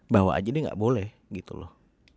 bawa aja deh gak boleh gitu loh